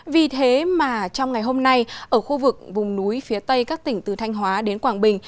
vì thế mà trong ngày hôm nay ở khu vực vùng núi phía tây các tỉnh từ thanh hóa đến quảng bình